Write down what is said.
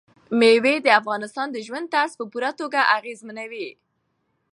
مېوې د افغانانو د ژوند طرز هم په پوره توګه اغېزمنوي.